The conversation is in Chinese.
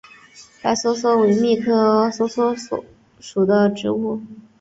白梭梭为苋科梭梭属的植物。